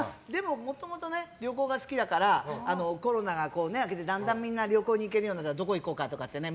もともと旅行が好きだからコロナが明けてだんだん旅行に行けるようになったらどこ行こうかとかってね。